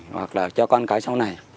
hoặc là cho con cái sau này